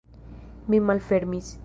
Mi malfermis.